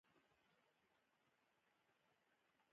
زړه کله د خوښۍ نه ډکېږي، کله د غم.